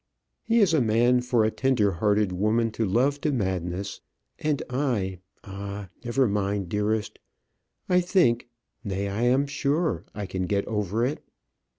He is a man for a tender hearted woman to love to madness. And I Ah! never mind, dearest; I think nay, I am sure I can get over it.